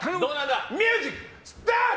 ミュージックスタート！